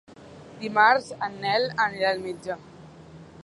Dimarts en Nel anirà al metge.